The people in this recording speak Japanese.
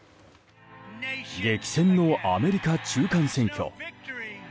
激戦のアメリカ中間選挙。